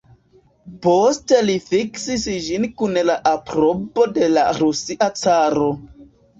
Poste li fiksis ĝin kun la aprobo de la Rusia Caro.